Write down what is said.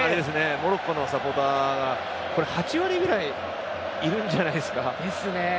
モロッコのサポーターが８割ぐらいいるんじゃないですか。